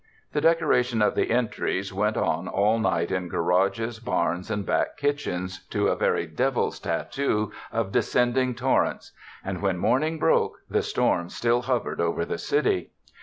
The decoration of the entries went on all night in garages, barns and back kitchens, 'to a very devil's tattoo of de scending torrents; and when morning broke, the storm still hovered over the city.